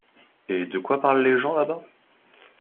Et de quoi parlent les gens là-bas?